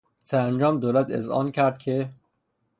سرانجام دولت اذعان کرد که...